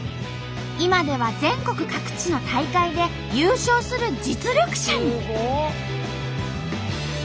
今では全国各地の大会で優勝する実力者に。